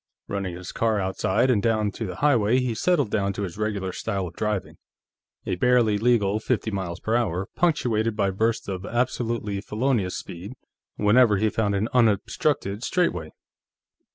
Running his car outside and down to the highway, he settled down to his regular style of driving a barely legal fifty m.p.h., punctuated by bursts of absolutely felonious speed whenever he found an unobstructed straightaway.